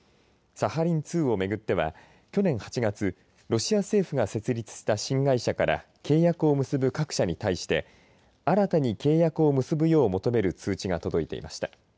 サハリン２を巡っては去年８月ロシア政府が設立した新会社から契約を結ぶ各社に対して新たに契約を結ぶよう求める通知が届いていました。